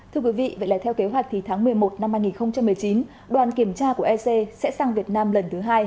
thưa quý vị vậy là theo kế hoạch thì tháng một mươi một năm hai nghìn một mươi chín đoàn kiểm tra của ec sẽ sang việt nam lần thứ hai